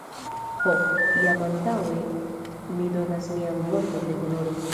Ho, jam antaŭe mi donas mian vorton de honoro!